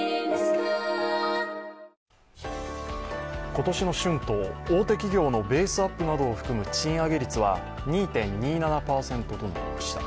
今年の春闘、大手企業のベースアップなどを含む賃上げ率は２．２７％となりました。